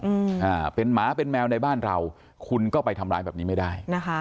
อืมอ่าเป็นหมาเป็นแมวในบ้านเราคุณก็ไปทำร้ายแบบนี้ไม่ได้นะคะ